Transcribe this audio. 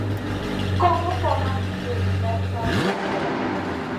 Como forma de evitar fraude electoral.